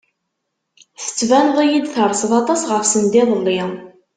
Tettbaneḍ-iyi-d terseḍ aṭas ɣef send iḍelli.